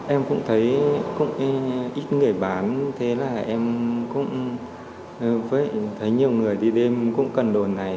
em cũng thấy ít người bán thế là em cũng thấy nhiều người đi đêm cũng cần đồ này